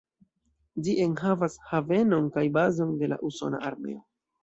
Ĝi enhavas havenon kaj bazon de la Usona armeo.